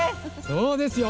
そうですよ。